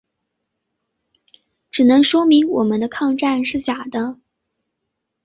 只能说明我们的抗战是假的。